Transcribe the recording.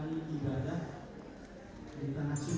tuh dalam waktu